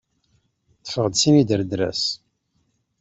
Ṭṭfeɣ-d sin idredras.